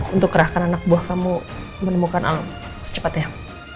untuk kerahkan anak buah kamu menemukan alam secepatnya